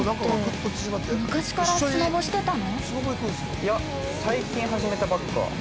◆いや、最近始めたばっか。